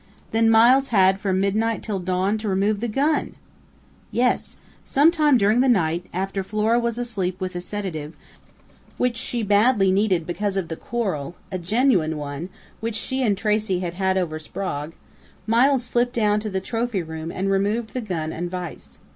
"Then Miles had from midnight till dawn to remove the gun!" "Yes. Some time during the night, after Flora was asleep with a sedative, which she badly needed because of the quarrel a genuine one which she and Tracey had had over Sprague Miles slipped down to the trophy room and removed the gun and vise.